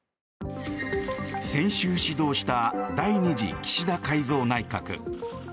先週始動した第２次岸田改造内閣。